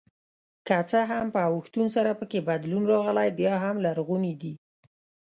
که څه هم په اوښتون سره پکې بدلون راغلی بیا هم لرغوني دي.